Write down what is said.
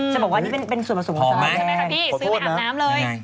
จะบอกว่านี่เป็นส่วนผสมของสลายแดง